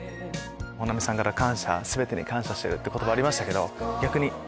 本並さんから全てに感謝してるって言葉ありましたけど逆に。